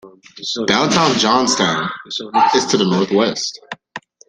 Downtown Johnstown is to the northwest.